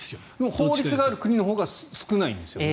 法律がある国のほうが少ないんですよね。